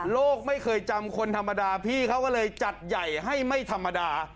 ไม่เคยจำคนธรรมดาพี่เขาก็เลยจัดใหญ่ให้ไม่ธรรมดา